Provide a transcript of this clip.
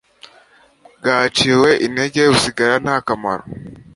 bwaciwe intege busigara nta kamaro